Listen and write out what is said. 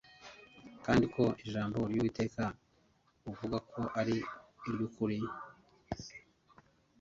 kandi ko ijambo ryUwiteka uvuga ko ari iryukuri